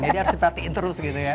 jadi harus dipatiin terus gitu ya